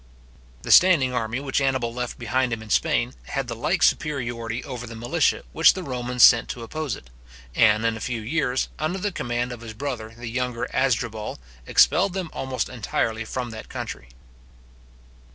The standing army which Annibal left behind him in Spain had the like superiority over the militia which the Romans sent to oppose it; and, in a few years, under the command of his brother, the younger Asdrubal, expelled them almost entirely from that country.